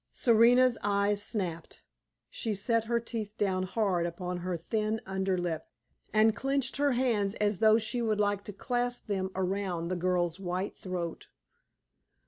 Serena's eyes snapped; she set her teeth down hard upon her thin under lip, and clenched her hands as though she would like to clasp them around the girl's white throat.